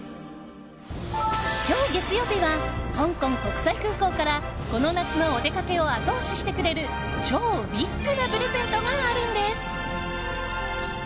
今日、月曜日は香港国際空港からこの夏のお出かけを後押ししてくれる超ビッグなプレゼントがあるんです。